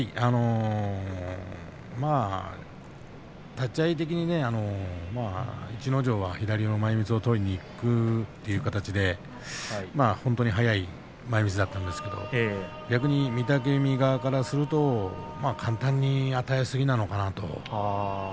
まあ立ち合い逸ノ城は左の前みつを取りにいくという形で本当に早い前みつだったんですが逆に御嶽海側からすると簡単に与えすぎなのかなと。